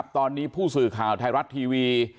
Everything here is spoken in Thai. ตอนนี้ผู้สื่อข่าวไทยรัฐทีวี